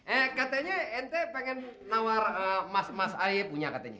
eh katanya ente pengen nawar emas emas aja punya katanya